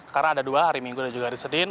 karena ada dua hari minggu dan juga hari senin